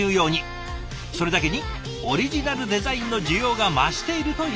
それだけにオリジナルデザインの需要が増しているといいます。